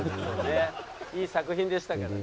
「いい作品でしたからね」